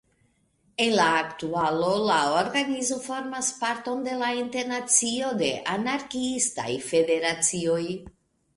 En la aktualo la organizo formas parton de la Internacio de Anarkiistaj Federacioj.